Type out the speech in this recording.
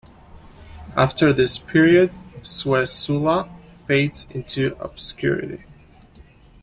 After this period, Suessula fades into obscurity.